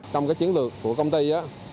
trong chiến lược của công ty